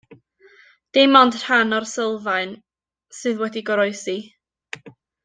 Dim ond rhan o'r sylfaen sydd wedi goroesi.